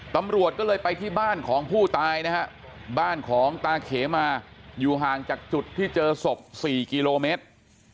ตำรวจก็เลยไปที่บ้านของผู้ตายนะฮะบ้านของตาเขมาอยู่ห่างจากจุดที่เจอศพ๔กิโลเมตร